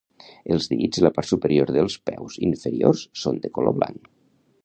Els dits i la part superior dels peus inferiors són de color blanc.